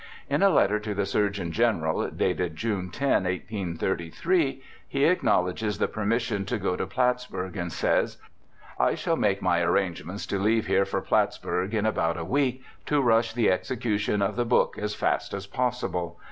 In a letter to the Surgeon General, dated June 10, 1833, he acknowledges the permission to go to Plattsburgh, and says :* I shall make my arrangements to leave here for PI. in about a week to rush the execution of the Book as fast as possible.